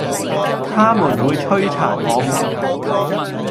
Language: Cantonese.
他們會摧殘我們